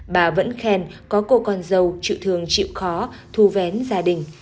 bà vẫn khen có cô con dâu chịu thương chịu khó thu vén gia đình